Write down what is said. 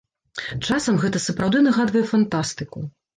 Часам гэта сапраўды нагадвае фантастыку.